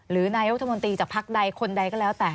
หรือนายอุทธมนตรีจะพักใดคนใดก็แล้วแต่